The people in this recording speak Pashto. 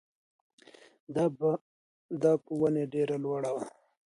دا په ونې ډېره لوړه وه.